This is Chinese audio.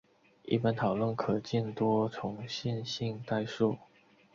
一般讨论可见多重线性代数。